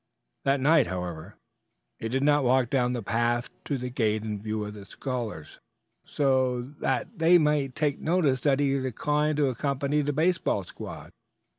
The next night, however, he did not walk down the path to the gate in view of the scholars, so that they might take notice that he declined to accompany the baseball squad.